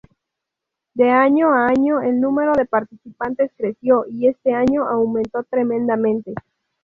De año a año el número de participantes creció y este año aumentó tremendamente.